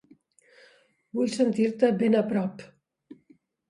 Vull sentir-te ben a prop.